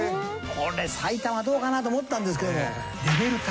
これさいたまどうかなと思ったんですけども。